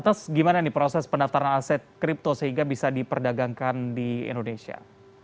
lalu bagaimana proses pendaftaran aset kripto sehingga bisa diperdagangkan di indonesia